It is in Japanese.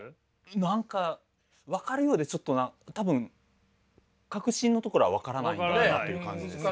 何か分かるようでちょっと多分核心のところは分からないんだろうなという感じですね。